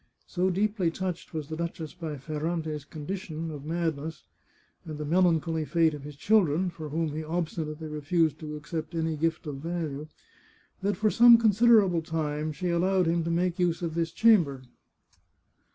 So deeply touched was the duchess by Ferrante's condition of madness and the melancholy fate of his children, for whom he obstinately refused to accept any gift of value, that for some considerable time she allowed him to make use of this chamber.